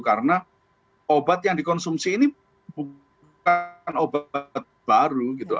karena obat yang dikonsumsi ini bukan obat baru gitu